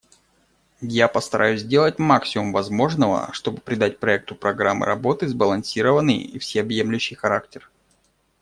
Я постараюсь сделать максимум возможного, чтобы придать проекту программы работы сбалансированный и всеобъемлющий характер.